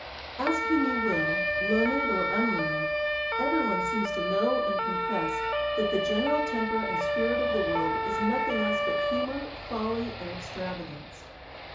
Ask who you will, learned or unlearned, every one seems to know and confess, that the general temper and spirit of the world, is nothing else but humour, folly, and extravagance.